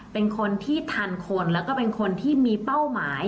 เป็นคนที่ทันคนแล้วก็เป็นคนที่มีเป้าหมาย